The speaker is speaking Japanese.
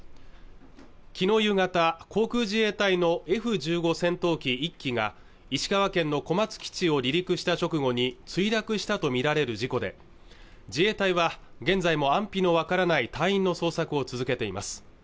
昨日夕方航空自衛隊のＦ１５戦闘機１機が石川県の小松基地を離陸した直後に墜落したとみられる事故で自衛隊は現在も安否の分からない隊員の捜索を続けています